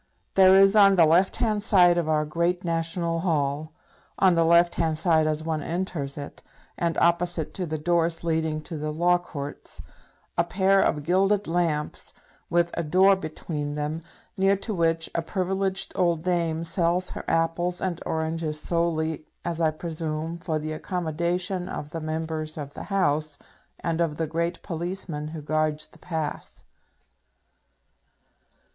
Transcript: There is on the left hand side of our great national hall, on the left hand side as one enters it, and opposite to the doors leading to the Law Courts, a pair of gilded lamps, with a door between them, near to which a privileged old dame sells her apples and her oranges solely, as I presume, for the accommodation of the Members of the House and of the great policeman who guards the pass.